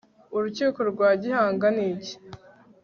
urukiko rwa gihanga, ni iki